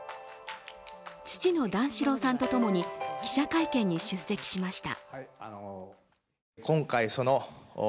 父の段四郎さんとともに記者会見に出席しました。